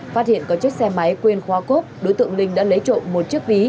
phát hiện có chiếc xe máy quên khoa cốt đối tượng linh đã lấy trộm một chiếc ví